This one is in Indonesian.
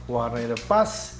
warnanya udah pas